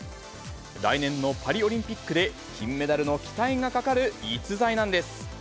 来年のパリオリンピックで金メダルの期待がかかる逸材なんです。